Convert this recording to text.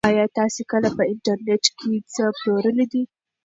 ایا تاسي کله په انټرنيټ کې څه پلورلي دي؟